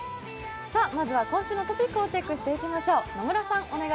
まずは今週のトピックをチェックしていきましょう。